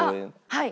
「はい」！？